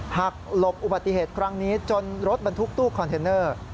หลบอุบัติเหตุครั้งนี้จนรถบรรทุกตู้คอนเทนเนอร์